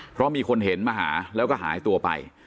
เพราะมีคนเห็นมาหาแล้วก็หายตัวไป